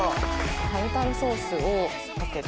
タルタルソースをかけて。